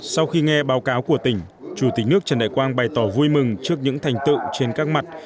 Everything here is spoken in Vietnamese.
sau khi nghe báo cáo của tỉnh chủ tịch nước trần đại quang bày tỏ vui mừng trước những thành tựu trên các mặt